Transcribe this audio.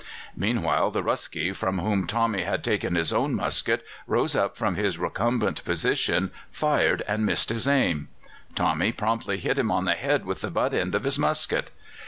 Meanwhile the Ruskie from whom Tommy had taken his own musket rose up from his recumbent position, fired and missed his aim. Tommy promptly hit him on the head with the butt end of his musket.